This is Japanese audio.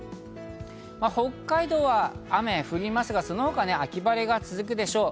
北海道は雨降りますが、その他は秋晴れが続くでしょう。